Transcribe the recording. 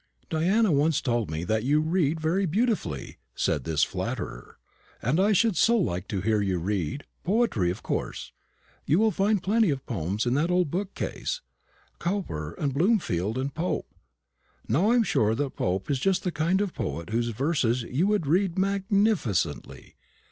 "Diana once told me that you read very beautifully," said this flatterer; "and I should so like to hear you read poetry of course. You will find plenty of poems in that old bookcase Cowper, and Bloomfield, and Pope. Now I am sure that Pope is just the kind of poet whose verses you would read magnificently.